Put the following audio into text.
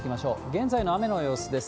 現在の雨の様子です。